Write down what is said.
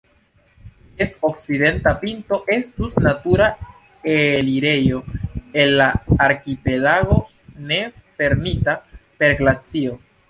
Ties okcidenta pinto estus natura elirejo el la arkipelago ne fermita per glacio.